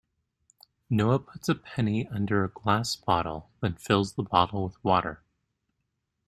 Noah puts a penny under a glass bottle then fills the bottle with water.